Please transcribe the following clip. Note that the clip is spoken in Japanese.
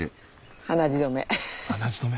鼻血止め。